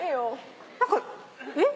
何かえっ？